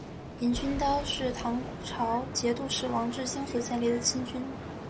银刀军是唐朝节度使王智兴所建立的亲军。